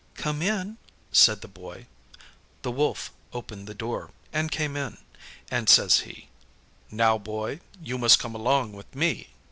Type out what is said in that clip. "Come in," said the Boy. The Wolf opened the door, and came in, and says he, "Now, Boy, you must come along with me."